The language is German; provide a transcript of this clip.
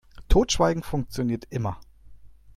Totschweigen funktioniert immer.